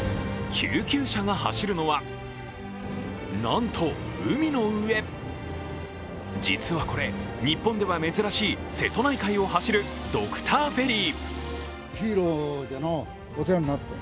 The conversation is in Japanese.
救急車が走るのは、なんと海の上実はこれ、日本では珍しい瀬戸内海を走るドクターフェリー。